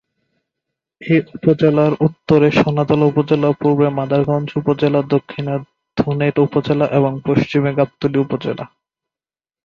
এ উপজেলার উত্তরে সোনাতলা উপজেলা, পূর্বে মাদারগঞ্জ উপজেলা, দক্ষিণে ধুনট উপজেলা এবং পশ্চিমে গাবতলী উপজেলা।